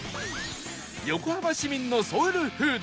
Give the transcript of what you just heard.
横浜市民のソウルフード